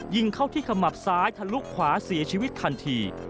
ยิงเข้าที่ขมับซ้ายทะลุขวาเสียชีวิตทันที